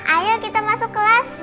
ayo kita masuk kelas